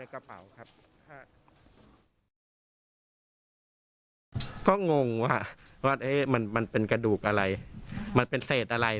ก็งงว่ามันเป็นกระดูกอะไรมันเป็นเศษอะไร